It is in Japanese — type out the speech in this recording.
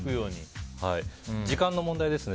時間の問題ですね。